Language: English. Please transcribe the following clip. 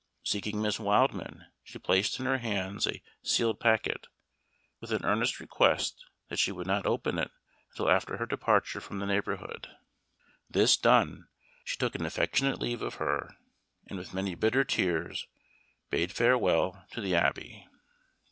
Seeking Mrs. Wildman, she placed in her hands a sealed packet, with an earnest request that she would not open it until after her departure from the neighborhood. This done she took an affectionate leave of her, and with many bitter tears bade farewell to the Abbey.